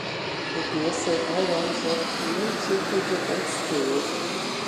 Głosowałam za przyjęciem tego tekstu